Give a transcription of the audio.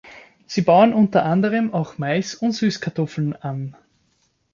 Sie bauen unter anderem auch Mais und Süßkartoffeln an.